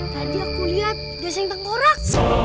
tadi aku lihat ada sentang korak